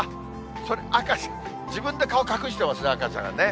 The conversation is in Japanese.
赤ちゃん、自分で顔隠してますね、赤ちゃんがね。